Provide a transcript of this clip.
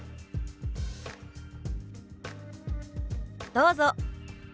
どうぞ。